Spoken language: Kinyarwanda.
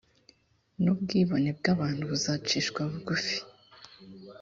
nubwibone bw abantu buzacishwa bugufi